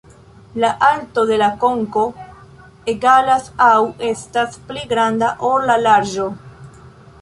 La alto de la konko egalas aŭ estas pli granda ol la larĝo.